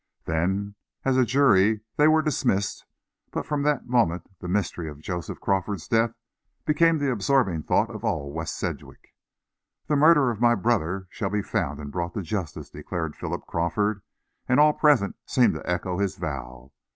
Then, as a jury, they were dismissed, but from that moment the mystery of Joseph Crawford's death became the absorbing thought of all West Sedgwick. "The murderer of my brother shall be found and brought to justice!" declared Philip Crawford, and all present seemed to echo his vow.